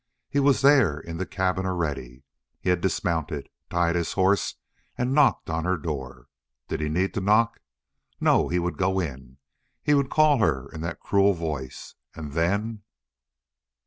He was there in the cabin already. He had dismounted, tied his horse, had knocked on her door. Did he need to knock? No, he would go in, he would call her in that cruel voice, and then...